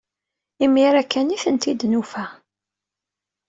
Imir-a kan ay ten-id-nufa.